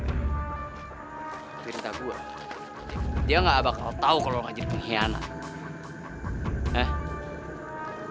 tapi rinta gue dia gak bakal tau kalo lo ngajin pengkhianat